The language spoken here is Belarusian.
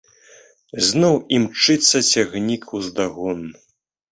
Зноў імчыцца цягнік уздагон.